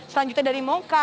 selanjutnya dari mongka